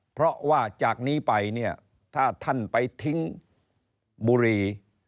เพราะว่าจากนี้ไปเนี่ยถ้าท่านไปทิ้งบุรี